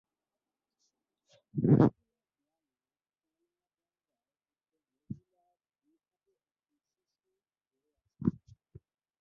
পশ্চিমের দেয়ালে তলাজঙ্ঘায় একজন মহিলা দুই হাতে একটি শিশু ধরে আছে।